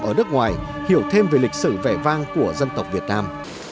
ở nước ngoài hiểu thêm về lịch sử vẻ vang của dân tộc việt nam